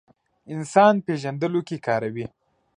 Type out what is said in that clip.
انسان پېژندلو کې کاروي.